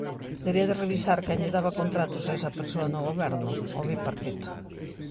Debería de revisar quen lle daba contratos a esa persoa no Goberno, o Bipartito.